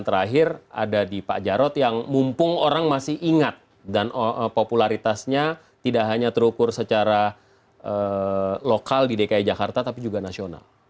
terakhir ada di pak jarod yang mumpung orang masih ingat dan popularitasnya tidak hanya terukur secara lokal di dki jakarta tapi juga nasional